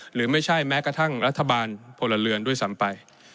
หรือไม่ใช่แม้กระทั่งรัฐบาลพลเรือนด้วยซ้ำไป